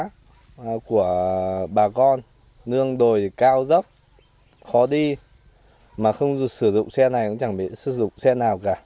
đường xá của bà con nương đồi cao dốc khó đi mà không sử dụng xe này cũng chẳng biết sử dụng xe nào cả